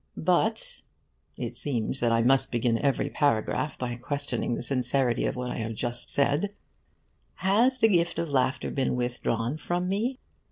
But (it seems that I must begin every paragraph by questioning the sincerity of what I have just said) has the gift of laughter been withdrawn from me?